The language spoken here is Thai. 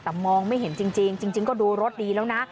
แต่มองไม่เห็นจริงจริงจริงจริงก็ดูรถดีแล้วนะ